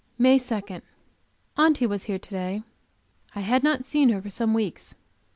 MAY 2 Aunty was here to day. I had not seen her for some weeks.